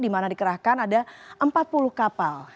di mana dikerahkan ada empat puluh kapal